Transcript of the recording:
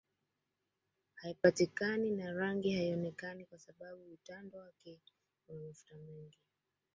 Haipatikani na rangi haionekani kwa sababu utando wake una mafuta mengi